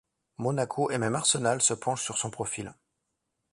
Monaco et même Arsenal se penchent sur son profil.